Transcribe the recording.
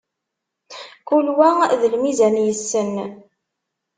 Kul wa d lmizan yessen.